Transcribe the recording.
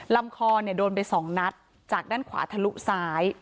ลำคอโดนไป๒นัดจากด้านขวาทะลุซ้าย